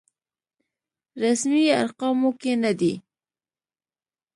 رسمي ارقامو کې نه دی.